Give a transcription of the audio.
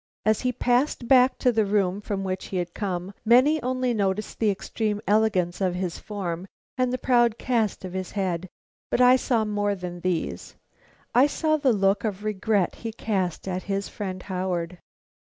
As he passed back to the room from which he had come, many only noticed the extreme elegance of his form and the proud cast of his head, but I saw more than these. I saw the look of regret he cast at his friend Howard.